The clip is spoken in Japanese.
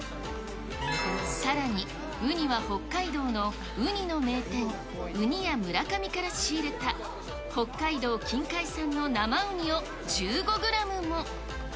さらに、ウニは北海道のウニの名店、うに屋むらかみから仕入れた、北海道近海産の生ウニを１５グラムも。